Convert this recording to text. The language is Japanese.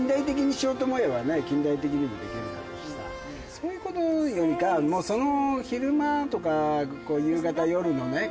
そういうことよりかもうその。